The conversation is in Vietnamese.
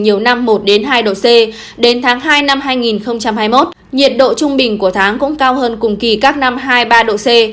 nhiều năm một hai độ c đến tháng hai năm hai nghìn hai mươi một nhiệt độ trung bình của tháng cũng cao hơn cùng kỳ các năm hai mươi ba độ c